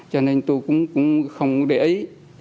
cho nên tôi cũng không để ý